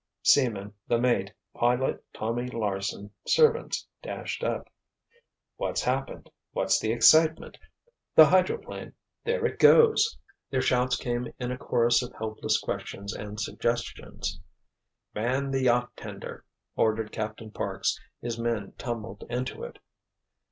Seamen, the mate, Pilot Tommy Larsen, servants, dashed up. "What's happened? What's the excitement? The hydroplane—there it goes!" Their shouts came in a chorus of helpless questions and suggestions. "Man the yacht tender!" ordered Captain Parks. His men tumbled into it.